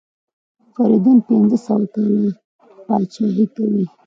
فریدون پنځه سوه کاله پاچهي کوي.